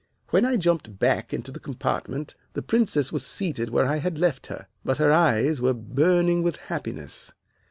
"When I jumped back into the compartment the Princess was seated where I had left her, but her eyes were burning with happiness.